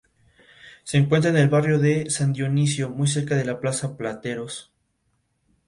Actualmente dirige al Deportivo Cuenca de la Serie A de Ecuador.